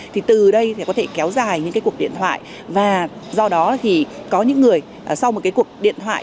thì từ đây thì có thể kéo dài những cái cuộc điện thoại và do đó thì có những người sau một cái cuộc điện thoại